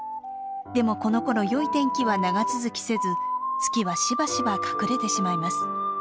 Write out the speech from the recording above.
でもこのころよい天気は長続きせず月はしばしば隠れてしまいます。